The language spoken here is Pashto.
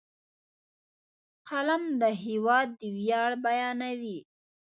قلم د هېواد ویاړ بیانوي